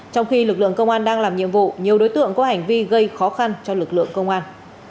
trong khi lực lượng công an đang làm nhiệm vụ nhiều đối tượng có hành vi gây khó khăn cho lực lượng công an